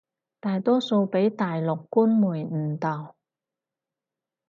大多數畀大陸官媒誤導